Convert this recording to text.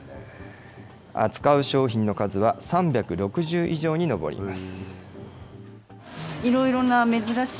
扱う商品の数は３６０以上に上ります。